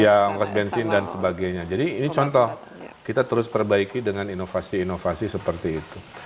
ya ongkos bensin dan sebagainya jadi ini contoh kita terus perbaiki dengan inovasi inovasi seperti itu